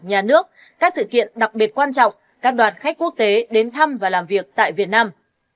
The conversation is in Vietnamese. nhà nước các sự kiện đặc biệt quan trọng các đoàn khách quốc tế đến thăm và làm việc tại việt nam